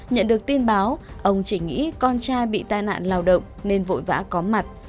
nhận được tin báo ông chỉ nghĩ con trai bị tai nạn lao động nên vội vã có mặt